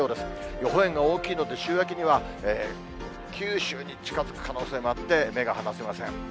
予報円が大きいので、週明けには九州に近づく可能性もあって、目が離せません。